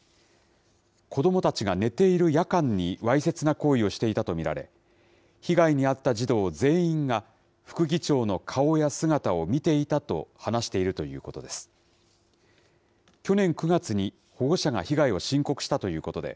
子どもたちが寝ている夜間にわいせつな行為をしていたと見られ、被害に遭った児童全員が、副議長の顔や姿を見ていたと話しているということです。